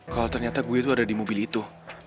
kalau ternyata saya ada di mobil itu